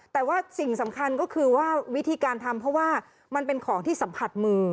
แต่ว่าสิ่งสำคัญก็คือว่าวิธีการทำเพราะว่ามันเป็นของที่สัมผัสมือ